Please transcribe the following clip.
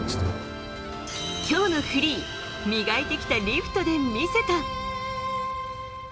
今日のフリー磨いてきたリフトで見せた。